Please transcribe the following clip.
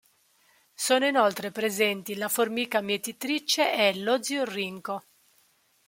Sono inoltre presenti la formica mietitrice e l'oziorrinco.